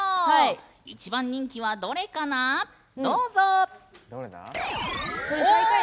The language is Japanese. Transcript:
一番人気はどれかな、どうぞ！